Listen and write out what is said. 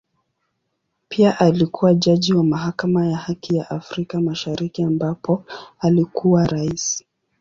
Pia alikua jaji wa Mahakama ya Haki ya Afrika Mashariki ambapo alikuwa Rais.